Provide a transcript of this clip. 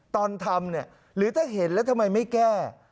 ตอนทำเนี่ยหรือถ้าเห็นแล้วทำไมไม่แก้